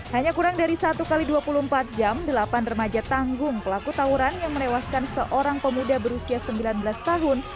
hanya kurang dari satu x dua puluh empat jam delapan remaja tanggung pelaku tawuran yang menewaskan seorang pemuda berusia sembilan belas tahun